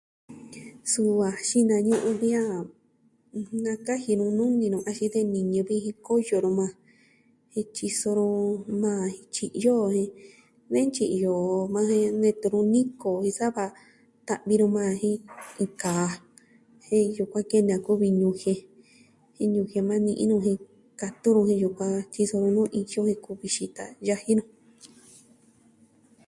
Suu a xinañu'un vi a na kaji nu nuni nu axin tee niñɨ vi ji koyo nuu maa. Jen tyiso nu na tyi'yo jen nee ntyi'yo majan jen netu nu niko jen sa va ta'vi nu majan jin iin kaa jen yukuan kene a kuvi ñujien jin ñujien ma ni'i nu jen katu nu jen yukuan tyiso nu nuu iyo jen kuvi xita yaji nu.